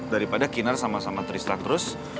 daripada kinar sama sama trisak terus